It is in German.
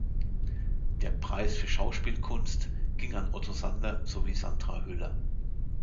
Der „Preis für Schauspielkunst“ ging an Otto Sander sowie Sandra Hüller.